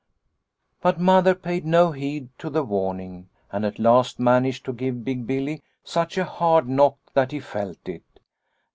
" But Mother paid no heed to the warning and at last managed to give Big Billy such a hard knock that he felt it.